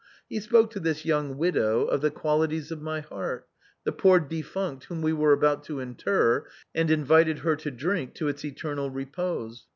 He spoke to this young widow of the qualities of my heart, the poor defunct whom we were about to inter, and invited her to drink to its eternal repose.